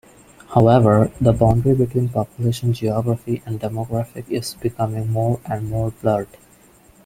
However, the boundary between population geography and demographic is becoming more and more blurred.